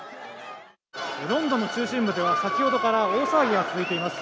ロンドンの中心部では、先ほどから大騒ぎが続いています。